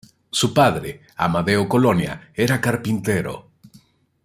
Su padre, Amadeo Colonia, era carpintero.